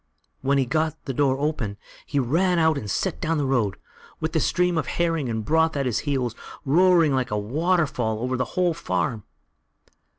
When he got the door open, he ran out and set off down the road, with the stream of herrings and broth at his heels, roaring like a waterfall over the whole farm.